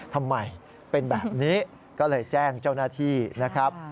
ทำไมเป็นแบบนี้ก็เลยแจ้งเจ้าหน้าที่นะครับ